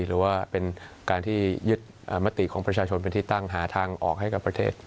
หรือว่าเป็นการที่ยึดมติของประชาชนเป็นที่ตั้งหาทางออกให้กับประเทศ